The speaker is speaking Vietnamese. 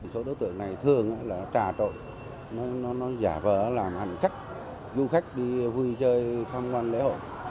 số đối tượng này thường là trà trộn nó giả vờ làm hành khách du khách đi vui chơi tham quan lễ hội